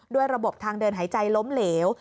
ระบบทางเดินหายใจล้มเหลว